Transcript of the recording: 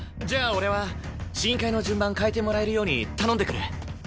じゃあ俺は試飲会の順番変えてもらえるように頼んでくる！